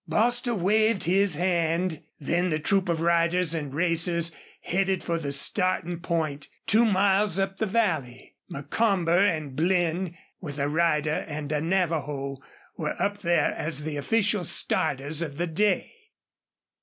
Bostil waved his hand. Then the troop of riders and racers headed for the starting point, two miles up the valley. Macomber and Blinn, with a rider and a Navajo, were up there as the official starters of the day.